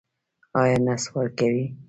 ایا نسوار کوئ؟